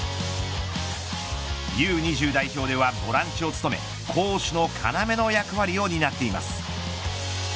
Ｕ−２０代表ではボランチを務め攻守のかなめの役割を担っています。